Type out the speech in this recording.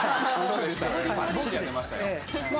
そうでした。